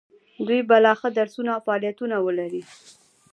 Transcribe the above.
دوی به لا ښه درسونه او فعالیتونه ولري.